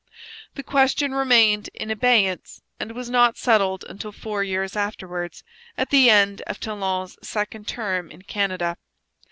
The question remained in abeyance and was not settled until four years afterwards, at the end of Talon's second term in Canada.